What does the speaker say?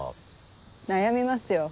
悩みますよ。